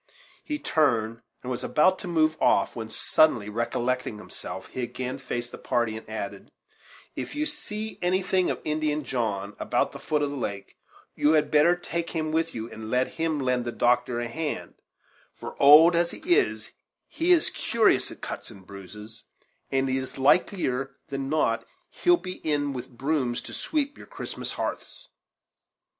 He turned, and was about to move off, when, suddenly recollecting himself, he again faced the party, and added: "If you see anything of Indian John, about the foot of the lake, you had better take him with you, and let him lend the doctor a hand; for, old as he is, he is curious at cuts and bruises, and it's likelier than not he'll be in with brooms to sweep your Christmas ha'arths."